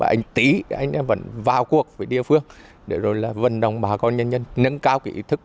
anh tý vẫn vào cuộc với địa phương để vận động bà con nhân nhân nâng cao kỹ thức